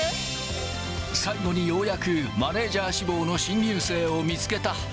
最後にようやく、マネージャー志望の新入生を見つけた。